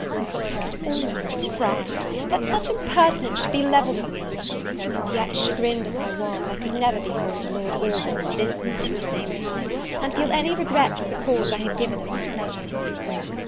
I could almost have cried, that such impertinence should be leveled at me; and yet, chagrined as I was, I could never behold Lord Orville and this man at the same time, and feel any regret for the cause I had given of displeasure.